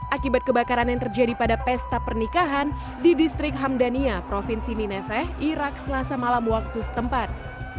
akibat kebakaran yang terjadi pada pesta pernikahan di distrik hamdania provinsi nineveh irak selasa malam waktu setempat